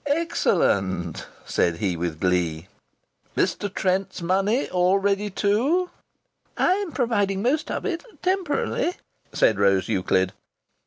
"Excellent!" said he, with glee. "Mr. Trent's money all ready, too?" "I am providing most of it temporarily," said Rose Euclid.